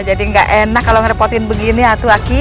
jadi gak enak kalau ngerepotin begini ya tu aki